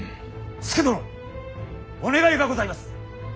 佐殿お願いがございます。